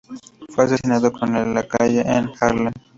Fue asesinado en la calle, en Harlem.